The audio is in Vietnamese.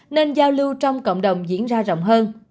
nên giao lưu trong cộng đồng diễn ra rộng hơn